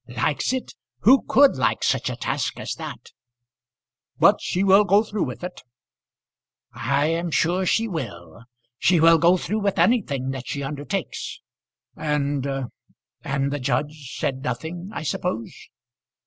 "Likes it! Who could like such a task as that?" "But she will go through with it." "I am sure she will. She will go through with anything that she undertakes. And and the judge said nothing I suppose?"